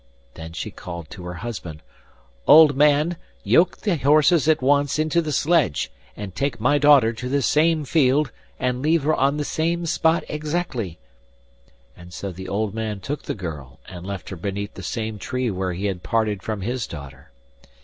Then she called to her husband: 'Old man, yoke the horses at once into the sledge, and take my daughter to the same field and leave her on the same spot exactly; 'and so the old man took the girl and left her beneath the same tree where he had parted from his daughter.